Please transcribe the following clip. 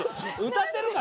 歌ってるか？